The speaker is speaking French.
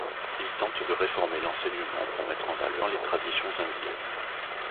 Il tente de réformer l'enseignement pour mettre en valeur les traditions indiennes.